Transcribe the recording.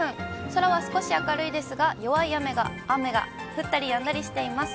空は少し明るいですが、弱い雨が降ったりやんだりしています。